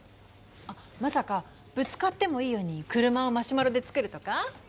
あっまさかぶつかってもいいように車をマシュマロで作るとか？